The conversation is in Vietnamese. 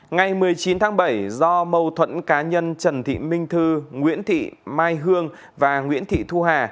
ngày một mươi chín tháng bảy do mâu thuẫn cá nhân trần thị minh thư nguyễn thị mai hương và nguyễn thị thu hà